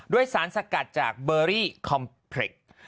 โดยสารสกัดจากเบอรี่คอมเพล็ก